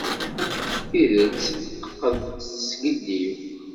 Tidet teqqel teskiddib.